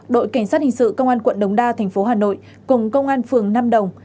đội cảnh sát hình sự công an quận đống đa tp hà nội cùng công an phường nam đồng